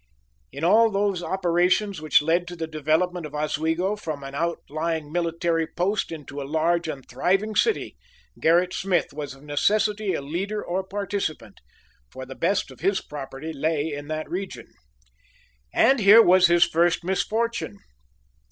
In all those operations which led to the development of Oswego from an outlying military post into a large and thriving city, Gerrit Smith was of necessity a leader or participant, for the best of his property lay in that region. And here was his first misfortune.